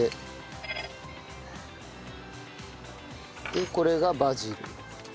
でこれがバジル。